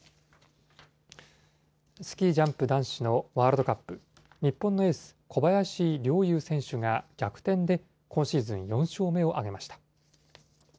スキージャンプ男子のワールドカップ、日本のエース、小林陵侑選手が逆転で今シーズン４勝目を挙げました。